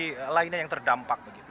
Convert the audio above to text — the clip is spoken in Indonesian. ada provinsi lainnya yang terdampak begitu